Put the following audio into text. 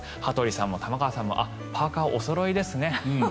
羽鳥さんも玉川さんもパーカー、おそろいですね。